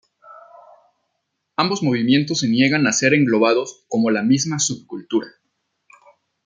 Ambos movimientos se niegan a ser englobados como la misma subcultura.